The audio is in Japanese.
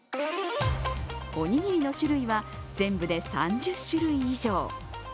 おにぎりの種類は全部で３０種類以上。